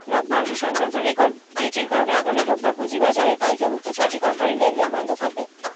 লভ্যাংশ-সংক্রান্ত record ডেটের কারণে আগামী রোববার পুঁজিবাজারে তালিকাভুক্ত ছয়টি কোম্পানির লেনদেন বন্ধ থাকবে।